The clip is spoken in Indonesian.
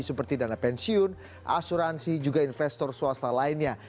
seperti dana pensiun asuransi juga investor swasta lainnya